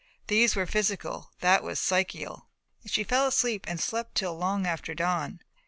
These were physical, that was psychical. She fell asleep and slept till long after dawn.